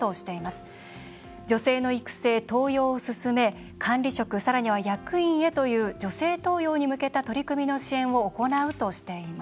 女性の育成、登用を進め管理職、さらには役員へという女性登用に向けた取り組みの支援を行うとしています。